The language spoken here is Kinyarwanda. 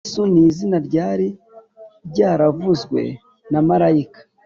Yesu ni izina ryari ryaravuzwe na marayika